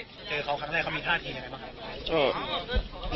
เจอเขาครั้งแรกเขามีท่าทีอะไรบ้าง